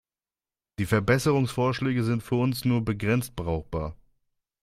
Die Verbesserungsvorschläge sind für uns nur begrenzt brauchbar.